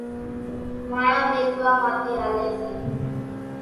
ماڻۿان ۮيتوا ماٿي ھالي سي،